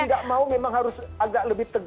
tidak mau memang harus agak lebih tegas